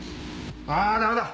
あぁダメだ！